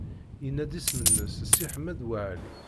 Yenna-d isem-nnes Si Ḥmed Waɛli.